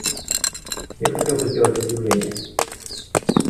Я хотел бы сделать объявление.